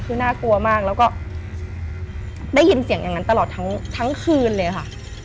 คือน่ากลัวมากแล้วก็ได้ยินเสียงอย่างนั้นตลอดทั้งคืนเลยค่ะ